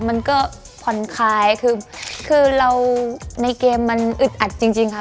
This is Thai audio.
มันก็ผ่อนคลายคือเราในเกมมันอึดอัดจริงค่ะ